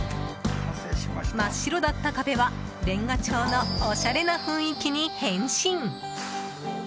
真っ白だった壁は、レンガ調のおしゃれな雰囲気に変身。